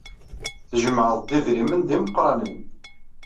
Tjemɛeḍ-d idrimen d imeqranen.